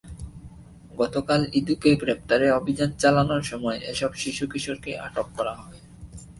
গতকাল ইদুকে গ্রেপ্তারে অভিযান চালানোর সময় এসব শিশু-কিশোরকে আটক করা হয়।